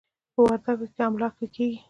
په وردکو کې املاک ښه کېږي.